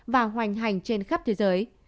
và hoành hành trên khắp thế giới